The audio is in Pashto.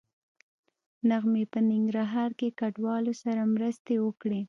نغمې په ننګرهار کې کډوالو سره مرستې وکړې